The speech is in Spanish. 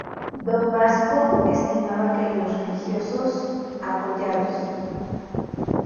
Don Vasco estimaba que los religiosos apoyados.